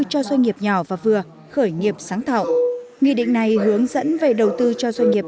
cho doanh nghiệp nhỏ và vừa khởi nghiệp sáng tạo nghị định này hướng dẫn về đầu tư cho doanh nghiệp